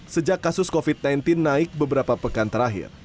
sejak kasus covid sembilan belas naik beberapa pekan terakhir